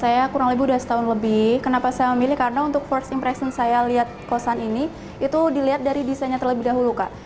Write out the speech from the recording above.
saya kurang lebih sudah setahun lebih kenapa saya memilih karena untuk first impression saya lihat kosan ini itu dilihat dari desainnya terlebih dahulu kak